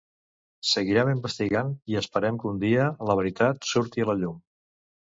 Seguiran investigant i esperem que un dia la veritat surti a la llum.